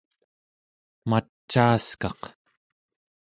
macaaskaq